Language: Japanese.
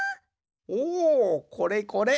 おおこれこれ。